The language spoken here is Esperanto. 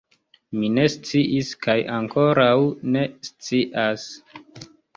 Mi ne sciis kaj ankoraŭ ne scias.